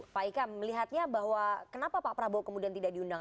pak ika melihatnya bahwa kenapa pak prabowo kemudian tidak diundang